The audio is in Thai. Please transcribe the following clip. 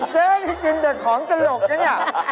เจ๊นี่กินเดินของสลงจริงเนี่ย